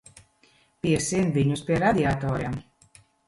Piesien viņus pie radiatoriem.